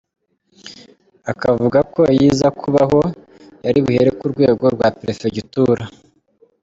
Akavuga ko iyo iza kubaho yaribuhere ku rwego rwa Prefegitura.